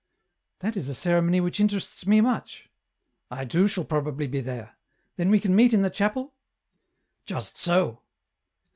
"" That is a ceremony which interests me much."" " I too shall probably be there." " Then we can meet in the chapel ?"" Just so."